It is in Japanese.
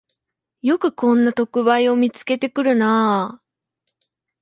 よくこんな特売を見つけてくるなあ